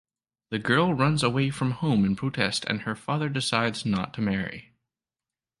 The girl runs away from home in protest and her father decides not marry.